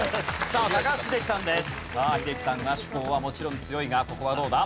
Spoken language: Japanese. さあ英樹さんは昭和もちろん強いがここはどうだ？